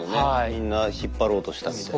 みんな引っ張ろうとしたみたいな。